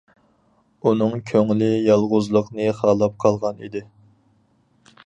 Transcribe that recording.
ئۇنىڭ كۆڭلى يالغۇزلۇقنى خالاپ قالغان ئىدى.